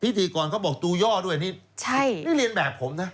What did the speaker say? พิธีกรเขาบอกตูย่อด้วยนี่ใช่นี่เรียนแบบผมนะ